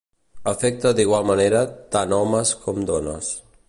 Afecta d'igual manera tant homes com dones.